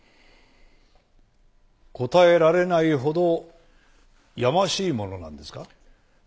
答えられないほどやましいものなんですか？